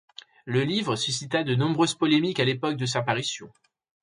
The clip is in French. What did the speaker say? Le livre suscita de nombreuses polémiques à l'époque de sa parution.